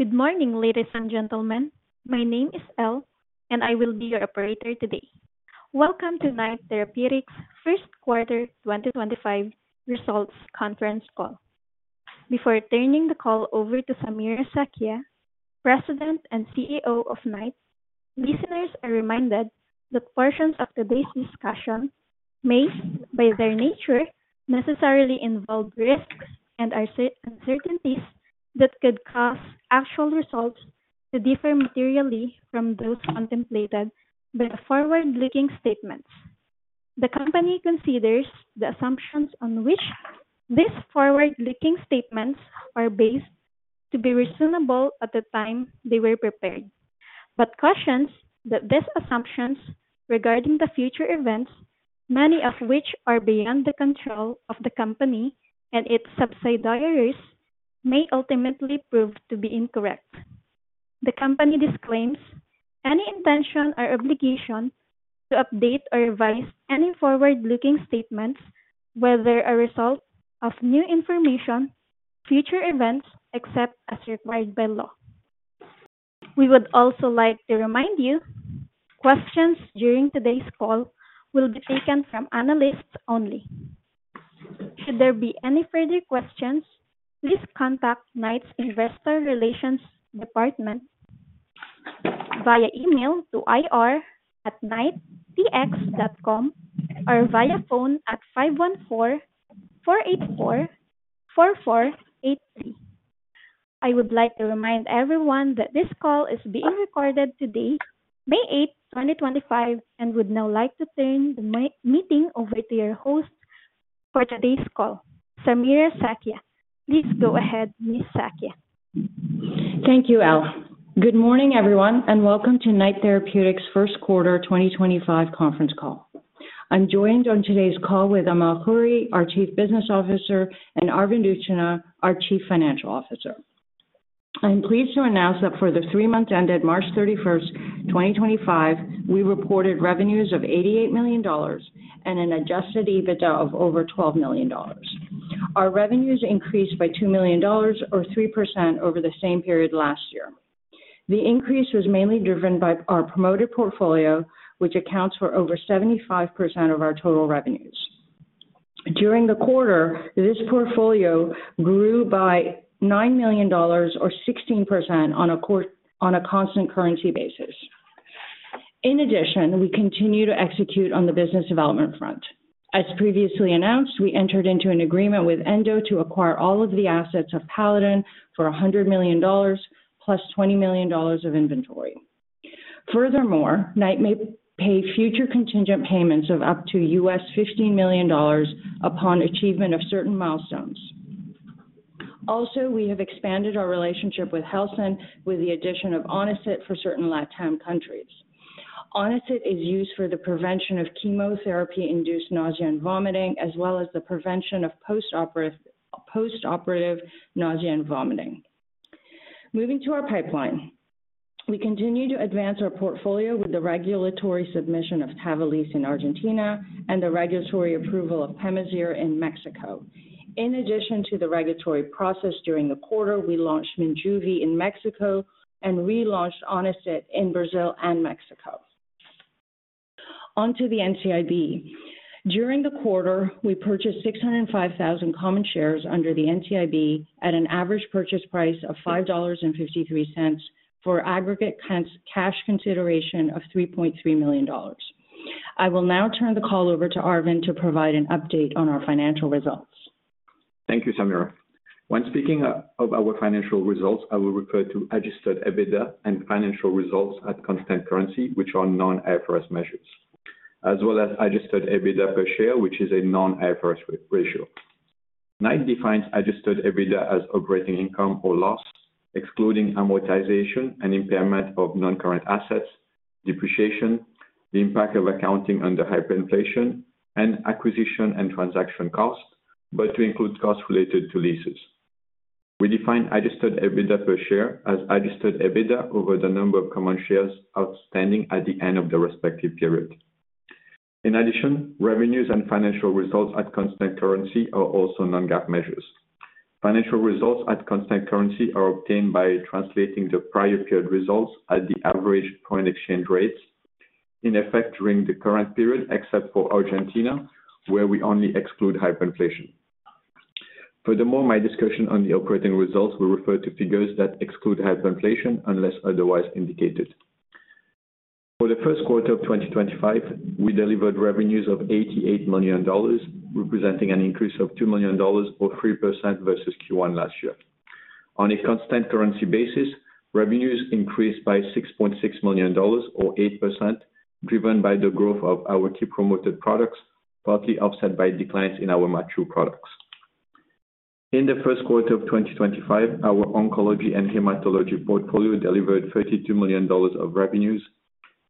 Good morning, ladies and gentlemen. My name is Elle, and I will be your operator today. Welcome to Knight Therapeutics' First Quarter 2025 Results Conference Call. Before turning the call over to Samira Sakhia, President and CEO of Knight, listeners are reminded that portions of today's discussion, by their nature, necessarily involve risks and uncertainties that could cause actual results to differ materially from those contemplated by the forward-looking statements. The company considers the assumptions on which these forward-looking statements are based to be reasonable at the time they were prepared. The company cautions that these assumptions regarding the future events, many of which are beyond the control of the company and its subsidiaries, may ultimately prove to be incorrect. The company disclaims any intention or obligation to update or revise any forward-looking statements whether a result of new information or future events, except as required by law. We would also like to remind you that questions during today's call will be taken from analysts only. Should there be any further questions, please contact Knight's Investor Relations Department via email to ir@knightpx.com or via phone at 514-484-4483. I would like to remind everyone that this call is being recorded today, May 8, 2025, and would now like to turn the meeting over to your host for today's call, Samira Sakhia. Please go ahead, Ms. Sakhia. Thank you, Elle. Good morning, everyone, and welcome to Knight Therapeutics' first quarter 2025 conference call. I'm joined on today's call with Amal Khouri, our Chief Business Officer, and Arvind Utchanah, our Chief Financial Officer. I'm pleased to announce that for the three months ended March 31, 2025, we reported revenues of 88 million dollars and an adjusted EBITDA of over 12 million dollars. Our revenues increased by 2 million dollars, or 3%, over the same period last year. The increase was mainly driven by our promoted portfolio, which accounts for over 75% of our total revenues. During the quarter, this portfolio grew by 9 million dollars, or 16%, on a constant currency basis. In addition, we continue to execute on the business development front. As previously announced, we entered into an agreement with Endo to acquire all of the assets of Paladin for 100 million dollars, plus 20 million dollars of inventory. Furthermore, Knight may pay future contingent payments of up to $15 million upon achievement of certain milestones. Also, we have expanded our relationship with Helsinn with the addition of Onacit for certain LatAm countries. Onicit is used for the prevention of chemotherapy-induced nausea and vomiting, as well as the prevention of postoperative nausea and vomiting. Moving to our pipeline, we continue to advance our portfolio with the regulatory submission of Tapiales in Argentina and the regulatory approval of Pemazyre in Mexico. In addition to the regulatory process during the quarter, we launched Minjuvi in Mexico and relaunched Onacit in Brazil and Mexico. Onto the NCIB. During the quarter, we purchased 605,000 common shares under the NCIB at an average purchase price of 5.53 dollars for aggregate cash consideration of 3.3 million dollars. I will now turn the call over to Arvind to provide an update on our financial results. Thank you, Samira. When speaking of our financial results, I will refer to adjusted EBITDA and financial results at constant currency, which are non-IFRS measures, as well as adjusted EBITDA per share, which is a non-IFRS ratio. Knight defines adjusted EBITDA as operating income or loss, excluding amortization and impairment of non-current assets, depreciation, the impact of accounting under hyperinflation, and acquisition and transaction cost, but to include costs related to leases. We define adjusted EBITDA per share as adjusted EBITDA over the number of common shares outstanding at the end of the respective period. In addition, revenues and financial results at constant currency are also non-GAAP measures. Financial results at constant currency are obtained by translating the prior period results at the average foreign exchange rates in effect during the current period, except for Argentina, where we only exclude hyperinflation. Furthermore, my discussion on the operating results will refer to figures that exclude hyperinflation unless otherwise indicated. For the first quarter of 2025, we delivered revenues of 88 million dollars, representing an increase of 2 million dollars or 3% versus Q1 last year. On a constant currency basis, revenues increased by 6.6 million dollars or 8%, driven by the growth of our key promoted products, partly offset by declines in our mature products. In the first quarter of 2025, our oncology and hematology portfolio delivered 32 million dollars of revenues,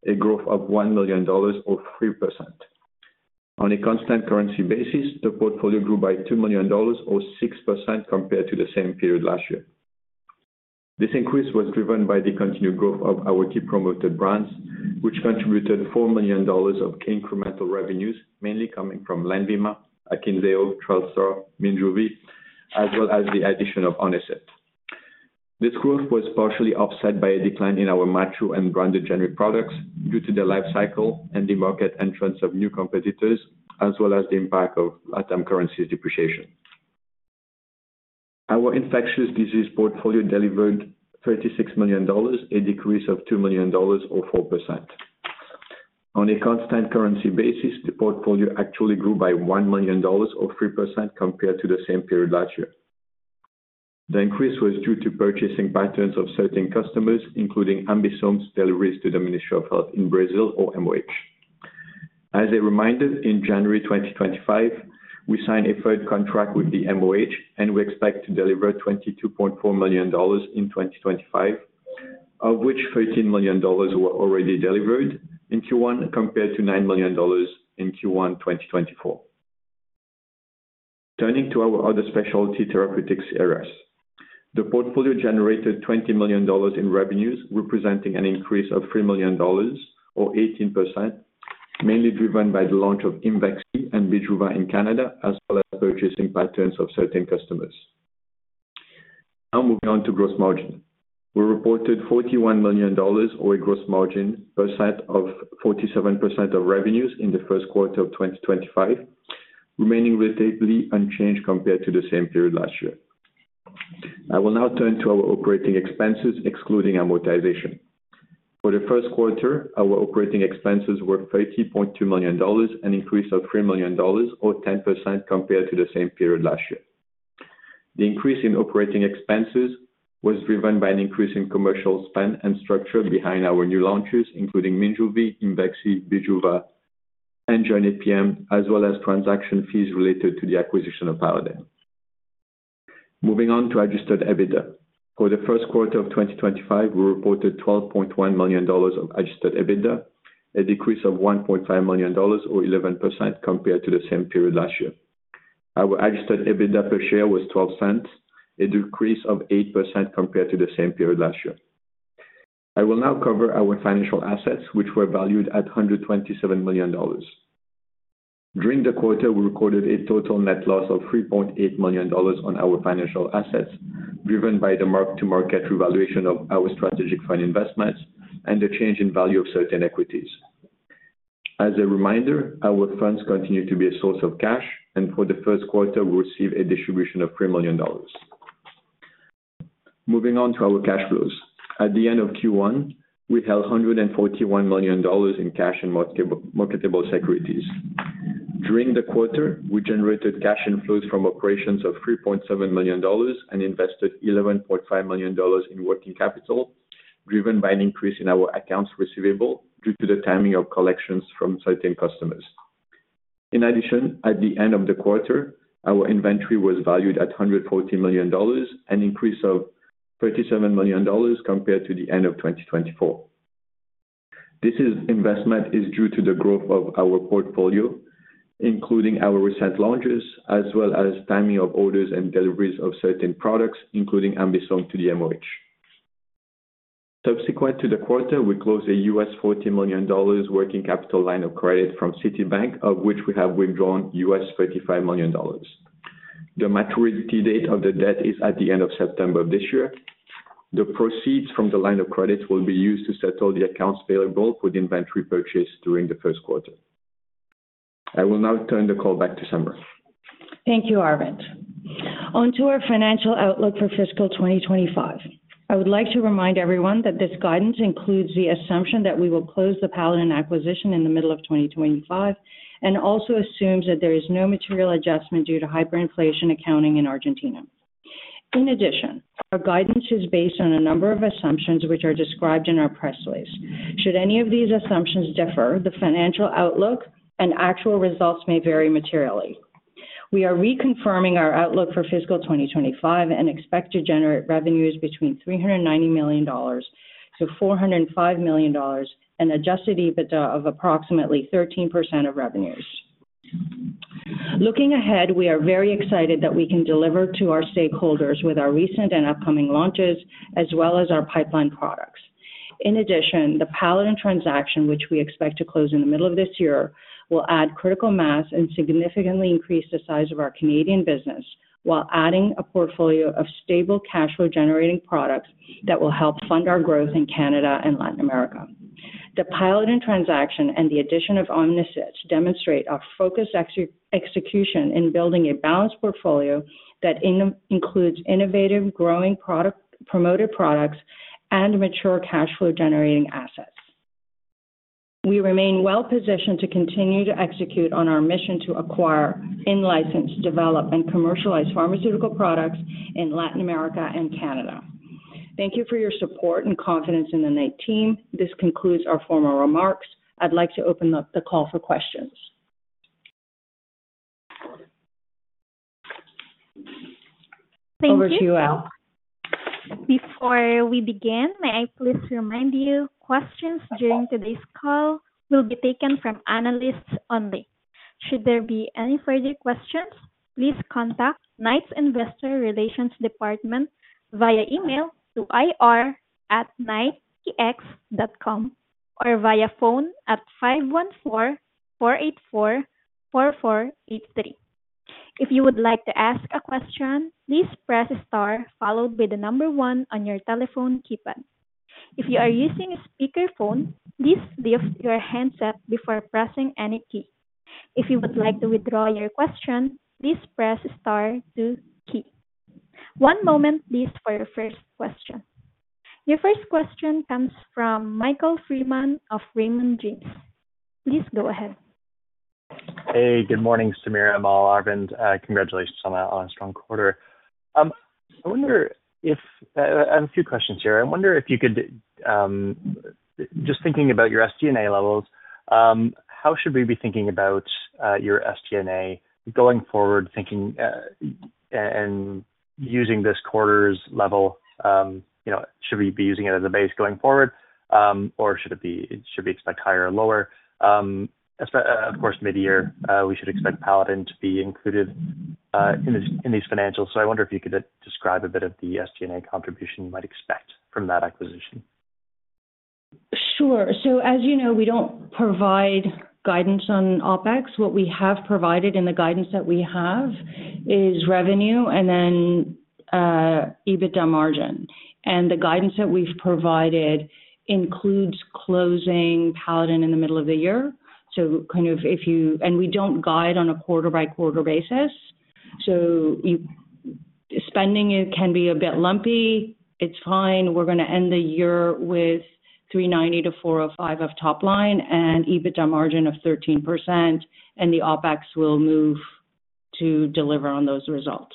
a growth of 1 million dollars or 3%. On a constant currency basis, the portfolio grew by 2 million dollars or 6% compared to the same period last year. This increase was driven by the continued growth of our key promoted brands, which contributed 4 million dollars of incremental revenues, mainly coming from Lenvima, Akinzeo, Trelstar, Minjuvi, as well as the addition of Onacit. This growth was partially offset by a decline in our mature and branded-generic products due to the life cycle and the market entrance of new competitors, as well as the impact of LatAm currency depreciation. Our infectious disease portfolio delivered 36 million dollars, a decrease of 2 million dollars or 4%. On a constant currency basis, the portfolio actually grew by 1 million dollars or 3% compared to the same period last year. The increase was due to purchasing patterns of certain customers, including Ambisome deliveries to the Ministry of Health in Brazil or MoH. As a reminder, in January 2025, we signed a third contract with the MoH, and we expect to deliver 22.4 million dollars in 2025, of which 13 million dollars were already delivered in Q1 compared to 9 million dollars in Q1 2024. Turning to our other specialty therapeutics areas, the portfolio generated 20 million dollars in revenues, representing an increase of 3 million dollars or 18%, mainly driven by the launch of Imvexxy and Bijuva in Canada, as well as purchasing patterns of certain customers. Now moving on to gross margin, we reported 41 million dollars or a gross margin percent of 47% of revenues in the first quarter of 2025, remaining relatively unchanged compared to the same period last year. I will now turn to our operating expenses, excluding amortization. For the first quarter, our operating expenses were 30.2 million dollars and increased of 3 million dollars or 10% compared to the same period last year. The increase in operating expenses was driven by an increase in commercial spend and structure behind our new launches, including Minjuvi, Imvexxy, Bijuva, and Jornay PM, as well as transaction fees related to the acquisition of Paladin. Moving on to adjusted EBITDA. For the first quarter of 2025, we reported $12.1 million of adjusted EBITDA, a decrease of $1.5 million or 11% compared to the same period last year. Our adjusted EBITDA per share was $0.12, a decrease of 8% compared to the same period last year. I will now cover our financial assets, which were valued at $127 million. During the quarter, we recorded a total net loss of $3.8 million on our financial assets, driven by the mark-to-market revaluation of our strategic fund investments and the change in value of certain equities. As a reminder, our funds continue to be a source of cash, and for the first quarter, we received a distribution of $3 million. Moving on to our cash flows. At the end of Q1, we held $141 million in cash and marketable securities. During the quarter, we generated cash inflows from operations of 3.7 million dollars and invested 11.5 million dollars in working capital, driven by an increase in our accounts receivable due to the timing of collections from certain customers. In addition, at the end of the quarter, our inventory was valued at 140 million dollars, an increase of 37 million dollars compared to the end of 2024. This investment is due to the growth of our portfolio, including our recent launches, as well as timing of orders and deliveries of certain products, including Ambisome to the Ministry of Health. Subsequent to the quarter, we closed a $40 million working capital line of credit from Citibank, of which we have withdrawn $35 million. The maturity date of the debt is at the end of September of this year. The proceeds from the line of credit will be used to settle the accounts payable for the inventory purchase during the first quarter. I will now turn the call back to Samira. Thank you, Arvind. Onto our financial outlook for fiscal 2025. I would like to remind everyone that this guidance includes the assumption that we will close the Paladin acquisition in the middle of 2025 and also assumes that there is no material adjustment due to hyperinflation accounting in Argentina. In addition, our guidance is based on a number of assumptions which are described in our press release. Should any of these assumptions differ, the financial outlook and actual results may vary materially. We are reconfirming our outlook for fiscal 2025 and expect to generate revenues between 390 million-405 million dollars and adjusted EBITDA of approximately 13% of revenues. Looking ahead, we are very excited that we can deliver to our stakeholders with our recent and upcoming launches, as well as our pipeline products. In addition, the Paladin transaction, which we expect to close in the middle of this year, will add critical mass and significantly increase the size of our Canadian business while adding a portfolio of stable cash flow generating products that will help fund our growth in Canada and Latin America. The Paladin transaction and the addition of Onacit demonstrate our focused execution in building a balanced portfolio that includes innovative, growing promoted products and mature cash flow generating assets. We remain well positioned to continue to execute on our mission to acquire, in-license, develop, and commercialize pharmaceutical products in Latin America and Canada. Thank you for your support and confidence in the Knight team. This concludes our formal remarks. I'd like to open up the call for questions. Thank you. Over to you, Elle. Before we begin, may I please remind you questions during today's call will be taken from analysts only. Should there be any further questions, please contact Knight's Investor Relations Department via email to ir@knightpx.com or via phone at 514-484-4483. If you would like to ask a question, please press star followed by the number one on your telephone keypad. If you are using a speakerphone, please lift your handset before pressing any key. If you would like to withdraw your question, please press star two key. One moment, please, for your first question. Your first question comes from Michael Freeman of Raymond James. Please go ahead. Hey, good morning, Samira, Amal, Arvind. Congratulations on a strong quarter. I wonder if I have a few questions here. I wonder if you could, just thinking about your SG&A levels, how should we be thinking about your SG&A going forward, thinking and using this quarter's level? Should we be using it as a base going forward, or should we expect higher or lower? Of course, mid-year, we should expect Paladin to be included in these financials. I wonder if you could describe a bit of the SG&A contribution you might expect from that acquisition. Sure. As you know, we do not provide guidance on OPEX. What we have provided in the guidance that we have is revenue and then EBITDA margin. The guidance that we have provided includes closing Paladin in the middle of the year. If you, and we do not guide on a quarter-by-quarter basis. Spending can be a bit lumpy. It is fine. We are going to end the year with 390 million-405 million of top line and EBITDA margin of 13%, and the OPEX will move to deliver on those results.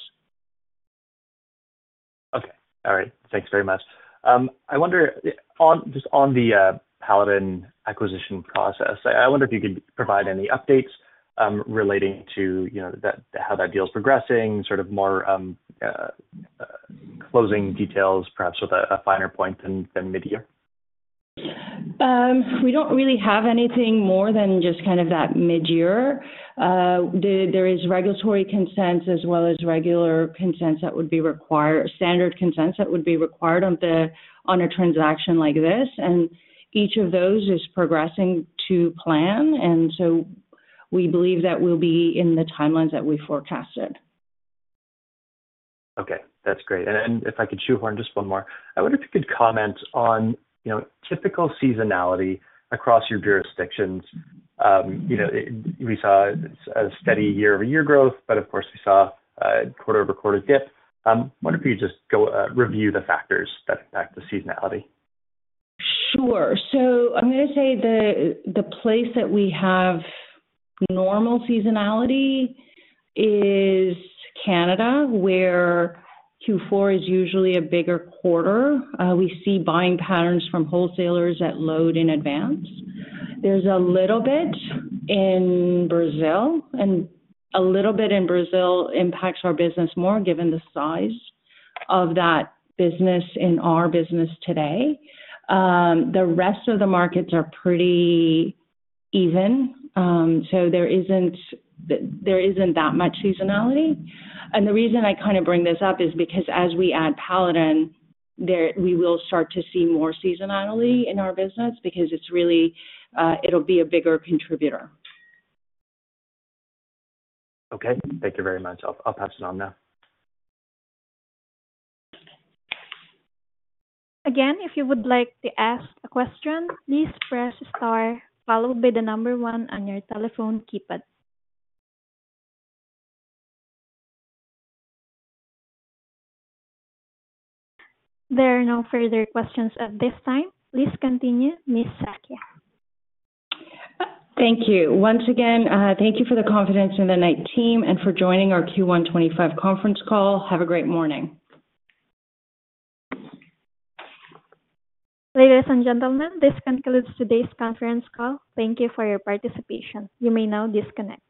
Okay. All right. Thanks very much. I wonder just on the Paladin acquisition process, I wonder if you could provide any updates relating to how that deal is progressing, sort of more closing details, perhaps with a finer point than mid-year? We do not really have anything more than just kind of that mid-year. There is regulatory consent as well as regular consents that would be required, standard consents that would be required on a transaction like this. Each of those is progressing to plan. We believe that we will be in the timelines that we forecasted. Okay. That's great. If I could shoehorn just one more, I wonder if you could comment on typical seasonality across your jurisdictions. We saw a steady year-over-year growth, but of course, we saw a quarter-over-quarter dip. I wonder if you could just review the factors that impact the seasonality. Sure. I'm going to say the place that we have normal seasonality is Canada, where Q4 is usually a bigger quarter. We see buying patterns from wholesalers that load in advance. There's a little bit in Brazil, and a little bit in Brazil impacts our business more given the size of that business in our business today. The rest of the markets are pretty even, so there isn't that much seasonality. The reason I kind of bring this up is because as we add Paladin, we will start to see more seasonality in our business because it'll be a bigger contributor. Okay. Thank you very much. I'll pass it on now. Again, if you would like to ask a question, please press star followed by the number one on your telephone keypad. There are no further questions at this time. Please continue, Ms. Sakhia. Thank you. Once again, thank you for the confidence in the Knight team and for joining our Q1 2025 conference call. Have a great morning. Ladies and gentlemen, this concludes today's conference call. Thank you for your participation. You may now disconnect.